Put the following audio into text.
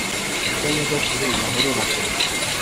ubwo nyogokuru yahururaga